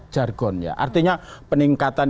jargon ya artinya peningkatan